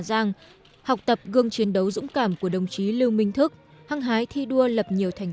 giang học tập gương chiến đấu dũng cảm của đồng chí lưu minh thức hăng hái thi đua lập nhiều thành